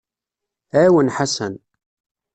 Ɛawen Ḥasan.